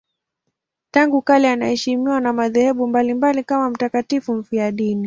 Tangu kale anaheshimiwa na madhehebu mbalimbali kama mtakatifu mfiadini.